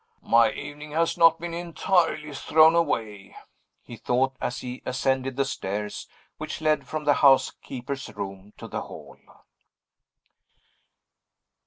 "My evening has not been entirely thrown away," he thought, as he ascended the stairs which led from the housekeeper's room to the hall.